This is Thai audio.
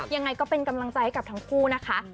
ยังไงก็เป็นกำลังใจให้กับทั้งคู่นะคะ